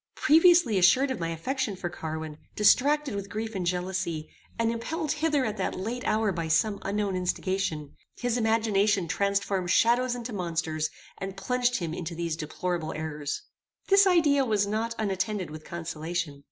Previously assured of my affection for Carwin, distracted with grief and jealousy, and impelled hither at that late hour by some unknown instigation, his imagination transformed shadows into monsters, and plunged him into these deplorable errors. This idea was not unattended with consolation.